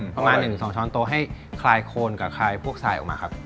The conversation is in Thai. ประมาณ๑๒ช้อนโต๊ะให้คลายโคนกับคลายพวกทรายออกมาครับ